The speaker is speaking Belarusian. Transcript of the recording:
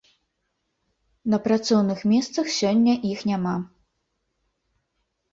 На працоўных месцах сёння іх няма.